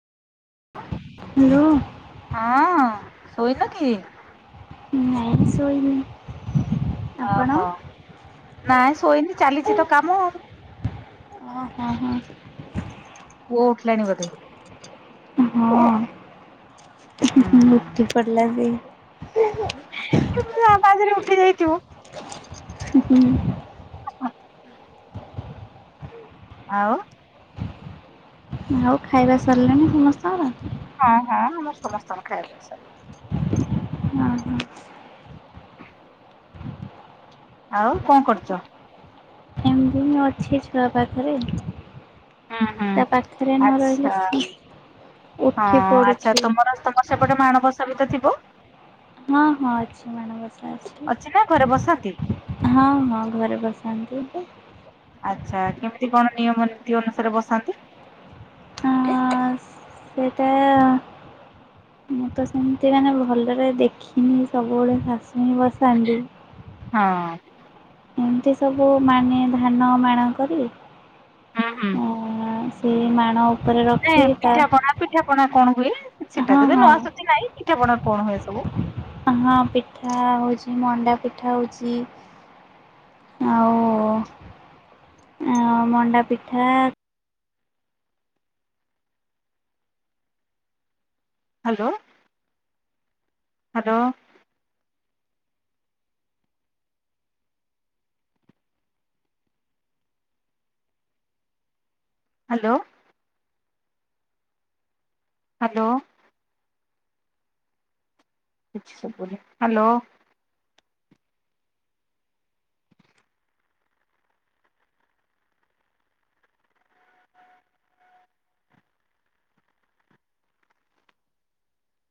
Hello ହଁ ଶୋଇନ କି? ନାଇଁ ଶୋଇନି। ଆପଣ? ଓହୋ, ନାଇଁ ଶୋଇନି। ଚାଲିଚି ତ କାମ ଆଉ। ଓ ହୋ, ହଁ। ପୁଅ ଉଠିଲାଣି ବୋଧେ? ଉଁ, ହୁଁ, ହୁଁ, ମୁଠି ପଡଲା ବି ଏ ଆବାଜରେ ଉଠି ଯାଇଥିବ। ହୁଁ, ହୁଁ। ଅଃ। ଆଉ ଆଉ ଖାଇବା ସରିଲାଣି ସମସ୍ତଙ୍କର? ହଁ, ହଁ ଆମର ସମସ୍ତଙ୍କର ଖାଇବା ପିଇବା ସରିଲାଣି। ଓ, ହଁ। ଆଉ କଣ କରୁଚ? ଏମତି ମୁଁ ଅଛି ଛୁଆ ପାଖରେ। ହୁଁ ହୁଁ ତା ପାଖରେ ନ ରହିଲେ ଆଚ୍ଛା ସି ହଁ ଆଚ୍ଛା ତୁମର ତୋମର ସେପଟେ ମାଣବସା ବି ତ ଥିବ? ହଁ, ହଁ ଅଛି ମାଣ ବସା। ଅଛି ନା ଘରେ ବସାନ୍ତି? ହଁ, ହଁ ଘରେ ବସାନ୍ତି ବି। ଆଚ୍ଛା କେମିତି କଣ ନିୟମ ନୀତି ଅନୁସାରେ ବସାନ୍ତି? ହଁ, ହଁ ସେଇଟା ମୁଁ ତ ସେମିତି ମାନେ ଭଲରେ ଦେଖିନି। ସବୁବେଳେ ଶାଶୁ ନି ବସାନ୍ତି। ହଁ ଏମିତି ସବୁ ମାନେ ଧାନ ମାଣ କରି ହଁ, ହୁଁ। ସେ ମାଣ ଉପରେ ନାଇଁ ରଖି ତା ପିଠା ପଣା ପିଠା ପଣା କଣ ହୁଏ? ସେଟା ହଁ ଯଦି ନ ହଁ ଆସୁଚି ନାଇଁ ପିଠାପଣା କଣ ହୁଏ ସବୁ? ଅ, ହଁ, ପିଠା ହଉଛି ମଣ୍ଡା ପିଠା ହଉଚି। ଆଉ ଆ, ମଣ୍ଡା ପିଠା ହ୍ୟାଲୋ, ହ୍ୟାଲୋ। ହ୍ୟାଲୋ। ହ୍ୟାଲୋ। କିଛି ଶୁଭୁନି। ହ୍ୟାଲୋ।